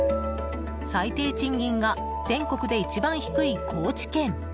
最低賃金が全国で一番低い高知県。